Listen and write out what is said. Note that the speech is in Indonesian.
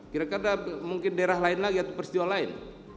kira kira mungkin daerah lain lagi atau peristiwa lain